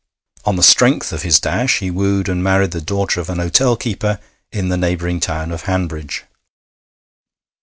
On the strength of his dash he wooed and married the daughter of an hotel keeper in the neighbouring town of Hanbridge.